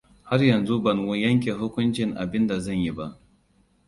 Har yanzu ban yanke hukuncin abin da zan yi ba.